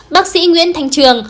bác sĩ nguyễn thanh trường